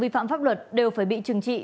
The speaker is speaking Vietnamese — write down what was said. vi phạm pháp luật đều phải bị trừng trị